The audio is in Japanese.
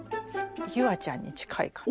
夕空ちゃんに近いかな。